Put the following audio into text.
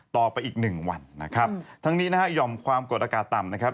ต่อไปอีกหนึ่งวันนะครับทั้งนี้นะฮะหย่อมความกดอากาศต่ำนะครับ